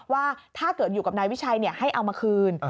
ว่าถ้าเกิดอยู่กับนายวิชัยให้เอามาคืน